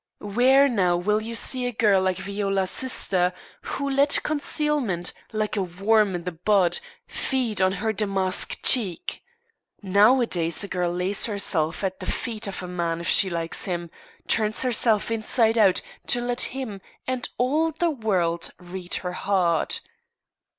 Where now will you see a girl like Viola's sister, who let concealment, like a worm i' the bud, feed on her damask cheek? Nowadays a girl lays herself at the feet of a man if she likes him, turns herself inside out to let him and all the world read her heart."